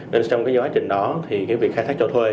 nên trong quá trình đó việc khai thác cho thuê